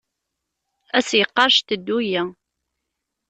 A s-yeqqar "cteddu-yi".